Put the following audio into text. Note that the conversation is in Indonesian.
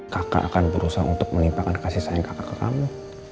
kakak akan berusaha untuk menimpakan kasih sayang kakak ke kamu